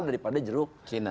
daripada jeruk china